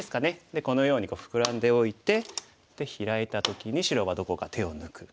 このようにフクラんでおいてヒラいた時に白はどこか手を抜く。